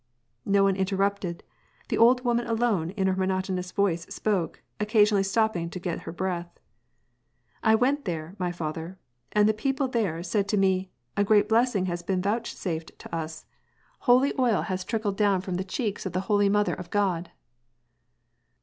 No one interrupted, the old woman alone in her monotonous voice spoke, occasionally stopping to get her breath. "I went there, my father, and the people there said to me, < A great blessing has been vouchsafed to us. Holy oil 122 ^AR AND PEACE. has trickled down from the cheeks of the Holy Mother of God."